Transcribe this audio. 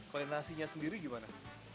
kalau nasinya sendiri gimana